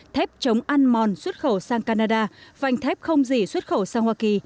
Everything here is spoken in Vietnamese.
thép chống ăn mòn xuất khẩu sang canada vành thép không dỉ xuất khẩu sang hoa kỳ